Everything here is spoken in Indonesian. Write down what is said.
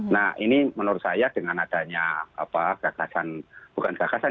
nah ini menurut saya dengan adanya gagasan bukan gagasan